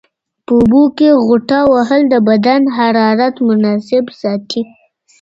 په اوبو کې غوټه وهل د بدن حرارت مناسب ساتي.